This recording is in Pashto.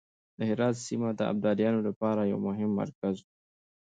د هرات سيمه د ابدالیانو لپاره يو مهم مرکز و.